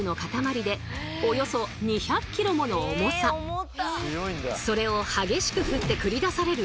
実はそれを激しく振って繰り出される